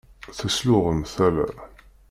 Tesluɣem tala.